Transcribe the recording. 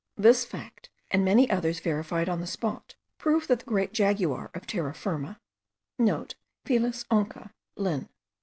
This fact, and many others verified on the spot, prove that the great jaguar* of Terra Firma (* Felis onca, Linn.